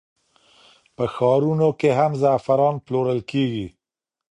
په ښارونو کې هم زعفران پلورل کېږي.